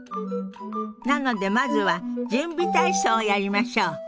なのでまずは準備体操をやりましょう。